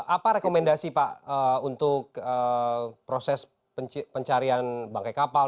apa rekomendasi pak untuk proses pencarian bangkai kapal